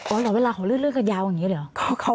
โอ้ยเวลาเขาเลื่อนก็ยาวอย่างนี้หรือ